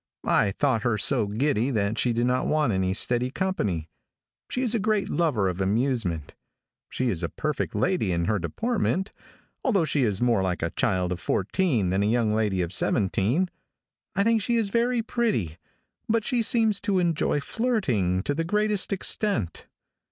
I thought her so giddy that she did not want any steady company. She is a great lover of amusement. She is a perfect lady in her deportment, although she is more like a child of fourteen than a young lady of seventeen. I think she is very pretty, but she seems to enjoy flirting to the greatest extent.